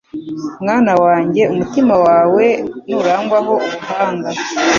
Mwana wanjye umutima wawe nurangwaho ubuhanga